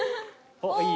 おっいい！